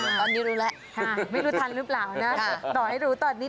ไม่รู้ทันหรือเปล่านะต่อให้รู้ตอนนี้